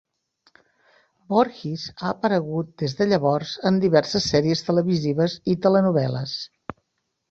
Voorhies ha aparegut des de llavors en diverses sèries televisives i telenovel·les.